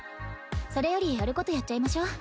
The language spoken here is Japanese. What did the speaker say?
それよりやることやっちゃいましょ。